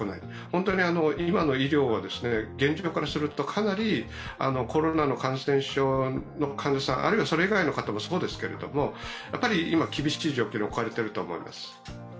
本当に、今の医療は現状からするとコロナの感染症の患者さん、あるいはそれ以外の方もそうですけれども、やはり今、厳しい状況に置かれていると思います。